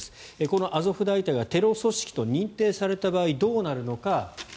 このアゾフ大隊がテロ組織と認定された場合どうなるのか。